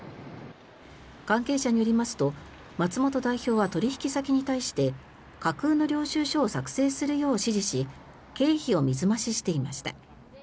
関係者によりますと松本代表は取引先に対して架空の領収書を作成するよう指示し経費を水増ししていました。